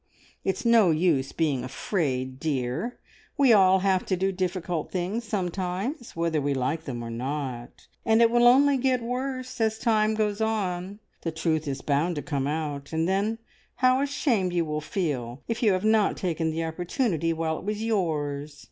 It's no use being afraid, dear. We all have to do difficult things sometimes, whether we like them or not, and it will only get worse as time goes on. The truth is bound to come out, and then how ashamed you will feel, if you have not taken the opportunity while it was yours!"